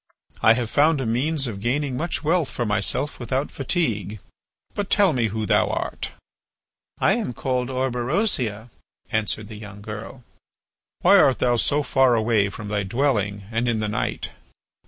I have found a means of gaining much wealth for myself without fatigue. But tell me who thou art?" "I am called Orberosia," answered the young girl. "Why art thou so far away from thy dwelling and in the night?"